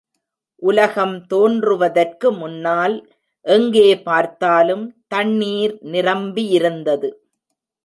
உலகம் தோன்றுவதற்கு முன்னால் எங்கே பார்த்தாலும் தண்ணீர் நிரம்பியிருந்தது.